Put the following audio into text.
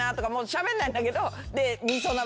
しゃべんないんだけど。